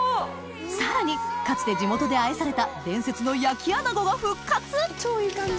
さらにかつて地元で愛された伝説の焼きアナゴが復活超いい感じ。